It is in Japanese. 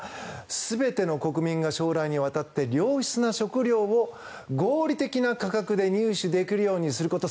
全ての国民が将来にわたって良質な食料を合理的な価格で入手できるようにすること。